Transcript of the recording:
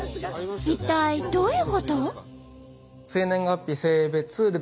一体どういうこと？